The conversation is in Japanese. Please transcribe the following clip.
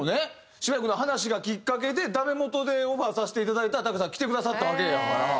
渋谷君の話がきっかけでダメ元でオファーさせて頂いたらＴＡＫＵＹＡ∞さん来てくださったわけやから。